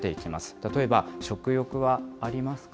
例えば、食欲はありますか？